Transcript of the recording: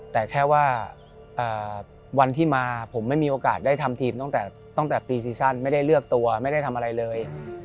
แต่แค่ว่าวันที่มาผมไม่มีโอกาสได้ทำทีมตั้งแต่ปีซีซั่นไม่ได้เลือกตัวไม่ได้ทำอะไรเลย